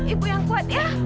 ibu yang kuat ya